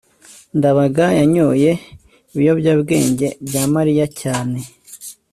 ndabaga yanyoye ibiyobyabwenge bya mariya cyane